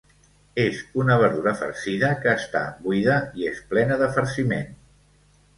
És una verdura farcida que està buida i es plena de farciment.